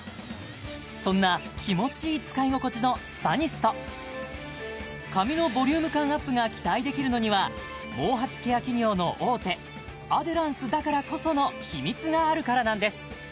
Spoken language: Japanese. そんな気持ちいい使い心地のスパニスト髪のボリューム感アップが期待できるのには毛髪ケア企業の大手アデランスだからこその秘密があるからなんです